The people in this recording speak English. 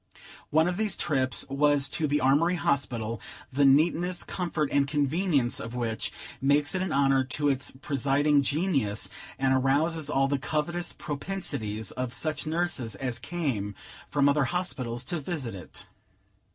One of these trips was to the Armory Hospital, the neatness, comfort, and convenience of which makes it an honor to its presiding genius, and arouses all the covetous propensities of such nurses as came from other hospitals to visit it.